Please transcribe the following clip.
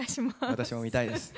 私も見たいです。